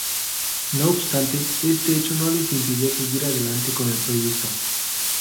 No obstante, este hecho no les impidió seguir adelante con el proyecto.